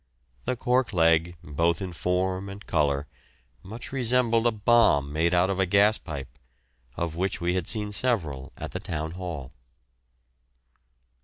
The cork leg, both in form and colour, much resembled a bomb made out of a gas pipe, of which we had seen several at the Town Hall.